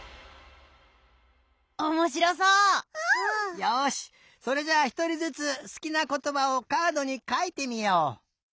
よしそれじゃあひとりずつすきなことばをカードにかいてみよう。